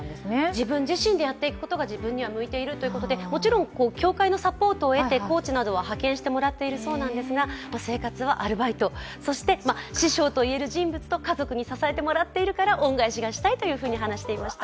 自分自身でやっていくとこが自分には向いているということで、もちろん協会のサポートを得て、コーチなどは派遣してもらっているんですが生活はアルバイト、そして師匠と言える人物と家族に支えてもらっているから恩返しがしたいと話していました。